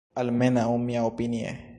Almenaŭ, miaopinie.